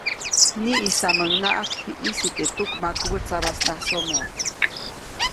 Niʼisamuŋnaʼak ji ʼyisi teʼ tuk makubä tsabasnasomo.